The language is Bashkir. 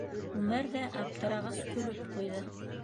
Үмәр ҙә, аптырағас, көлөп ҡуйҙы: